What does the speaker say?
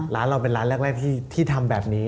ร้านเราเป็นร้านแรกที่ทำแบบนี้